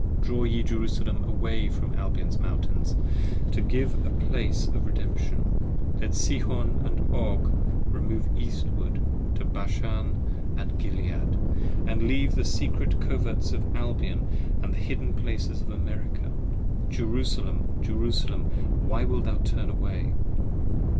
Draw ye Jerusalem away from Albion's Mountains To give a Place for Redemption, let Sihon and Og 64 Remove Eastward to Bashan and Gilead, and leave p. 49 THE secret coverts of Albion & the hidden places of America. Jerusalem! Jerusalem 1 why wilt thou turn away?